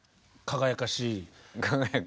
輝かしいね。